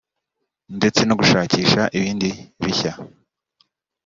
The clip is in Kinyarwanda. ndetse no gushakisha ibindi bishya